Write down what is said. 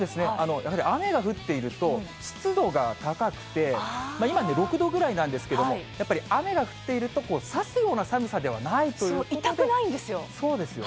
やはり雨が降っていると、湿度が高くて、今、６度ぐらいなんですけれども、やっぱり雨が降っていると、そう、痛くないんですよ。